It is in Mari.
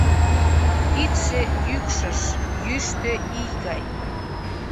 Кидше йӱкшыш йӱштӧ ий гай